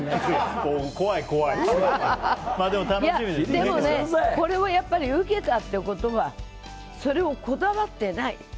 でもね、これをやっぱり受けたということはそれを、こだわってない。